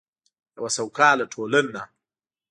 یوه سوکاله ټولنه.